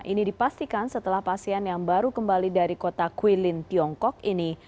ini dipastikan setelah pasien yang baru kembali dari kota kwilin tiongkok ini